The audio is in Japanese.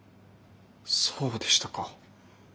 そうでしたか。